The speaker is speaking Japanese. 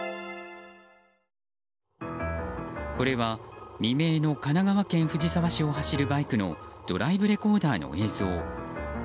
これは、未明の神奈川県藤沢市を走るバイクのドライブレコーダーの映像。